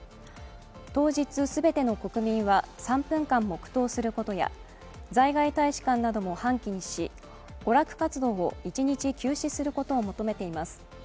当日、全ての国民は３分間黙とうすることや在外大使館なども半旗にし、娯楽活動を一日休止することを求めています。